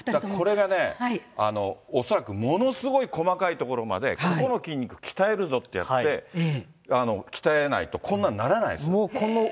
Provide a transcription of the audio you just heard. これがね、恐らくものすごい細かいところまでここの筋肉鍛えるぞってやって鍛えないとこんなんならないです。